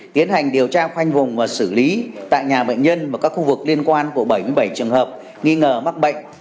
tiến hành điều tra khoanh vùng và xử lý tại nhà bệnh nhân và các khu vực liên quan của bảy mươi bảy trường hợp nghi ngờ mắc bệnh